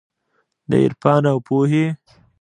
د عرفان اوپو هي